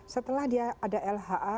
setelah dia ada lha